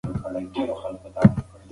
تعلیم لرونکې ښځې پر خپلو حقونو ښه پوهېږي.